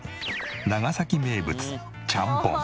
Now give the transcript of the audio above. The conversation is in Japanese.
長崎名物ちゃんぽん。